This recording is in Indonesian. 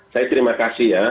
saya terima kasih ya